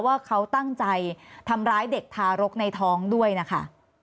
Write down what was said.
ว่าเขาตั้งใจทำร้ายเด็กทารกในท้องด้วยนะคะ